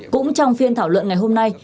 cũng trong phiên thảo luận ngày hôm nay